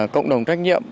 cộng đồng trách nhiệm